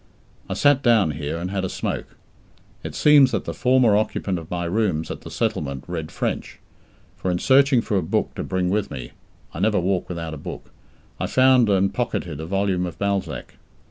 I sat down here, and had a smoke. It seems that the former occupant of my rooms at the settlement read French; for in searching for a book to bring with me I never walk without a book I found and pocketed a volume of Balzac.